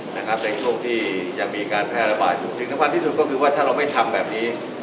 ในช่วงที่จะมีการแพร่ระบาดอยู่สิ่งสำคัญที่สุดก็คือว่าถ้าเราไม่ทำแบบนี้